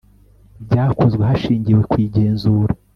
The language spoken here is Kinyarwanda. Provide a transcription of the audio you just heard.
byakozwe hashingiwe ku igenzura